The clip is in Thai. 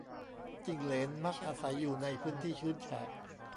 จิ้งเหลน มักอาศัยอยู่ในพื้นที่ชื้นแฉะ